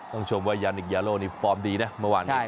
ชมว่ายานิกยาโลนี่ฟอร์มดีนะเมื่อวานนี้